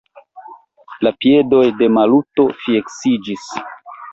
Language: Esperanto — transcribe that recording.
La piedoj de Maluto fleksiĝis.